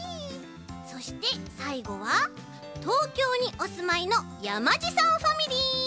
そしてさいごは東京におすまいのやまじさんファミリー！